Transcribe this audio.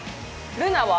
ルナは？